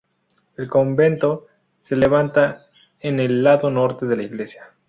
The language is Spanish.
El convento se levanta en el lado norte de la iglesia.